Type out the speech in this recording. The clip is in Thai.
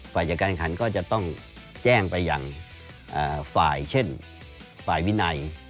ฝ่ายจัดการขันก็จะต้องแจ้งไปอย่างฝ่ายเช่นฝ่ายวินัย